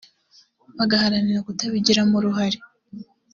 bagaharanira kutabigiramo uruhare